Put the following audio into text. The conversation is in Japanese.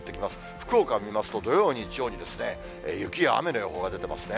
福岡を見ますと、土曜、日曜に雪や雨の予報が出てますね。